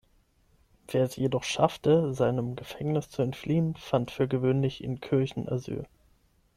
Wer es jedoch schaffte, seinem Gefängnis zu entfliehen, fand für gewöhnlich in Kirchen Asyl.